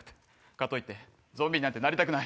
かといってゾンビになんてなりたくない！